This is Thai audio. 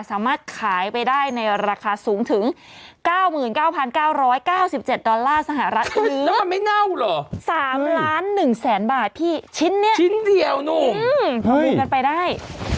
สามารถขายไปได้ในราคาสูงถึง๙๙๙๙๙๗ดอลลาร์สหรัฐแล้วมันไม่เน่าเหรอ๓ล้าน๑แสนบาทพี่ชิ้นนี้ชิ้นเดียวนุ่มทำบุญกันไปได้